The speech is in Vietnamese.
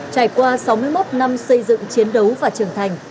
trải qua sáu mươi một năm xây dựng chiến đấu và trưởng thành